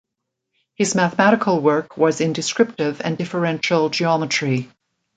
His mathematical work was in descriptive and differential geometry.